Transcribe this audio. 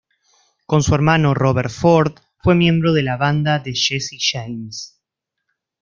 Con su hermano Robert Ford fue miembro de la banda de Jesse James.